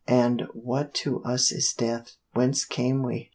and what to us is death? Whence came we?